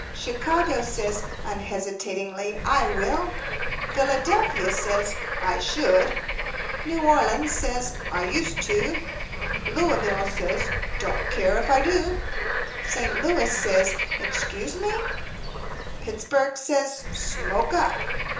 Chicago says, unhesitatingly, 'I will;' I Philadelphia says, 'I should;' New Orleans says, 'I used to;' Louisville says, 'Don't care if I do;' St. Louis says, 'Excuse me;' Pittsburg says, 'Smoke up.'